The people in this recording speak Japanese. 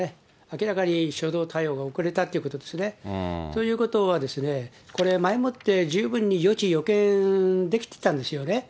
明らかに初動対応が遅れたということですね。ということは、これ、前もって十分に予知、予見できてたんですよね。